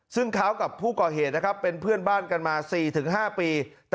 หวานไอ้เนี้ยเริ่มฟันคุมว่ะอย่างตายหรอ